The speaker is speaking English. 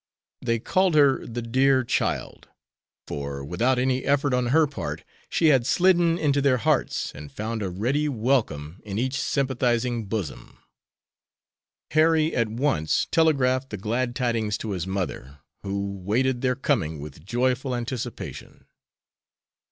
They called her the "dear child," for without any effort on her part she had slidden into their hearts and found a ready welcome in each sympathizing bosom. Harry at once telegraphed the glad tidings to his mother, who waited their coming with joyful anticipation.